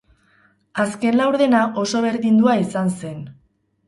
Azken laurdena oso berdindua izan zen.